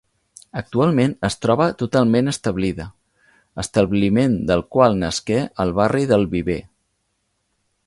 Actualment es troba totalment establida, establiment del qual nasqué el barri del Viver.